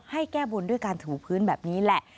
ให้แก้บนด้วยการถูพื้นแบบนี้แหละ